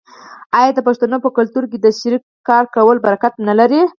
آیا د پښتنو په کلتور کې د شریک کار کول برکت نلري؟